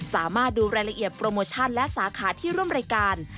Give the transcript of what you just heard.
สามารถดูรายละเอียดโปรโมชั่นและสาขาที่ร่วมรายการ